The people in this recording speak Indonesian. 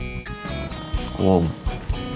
tidak saya mau pergi